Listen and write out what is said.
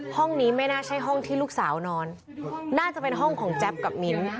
ห้องนี้ไม่น่าใช่ห้องที่ลูกสาวนอนน่าจะเป็นห้องของแจ๊บกับมิ้น